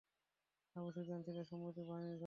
আবু সুফিয়ান ছিল এ সম্মিলিত বাহিনীর সর্বাধিনায়ক।